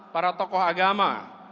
para tokoh agama